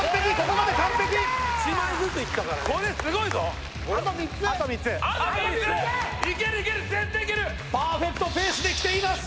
これすごいぞあと３つパーフェクトペースできています